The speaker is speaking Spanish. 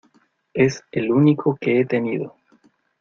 Es el único que he tenido.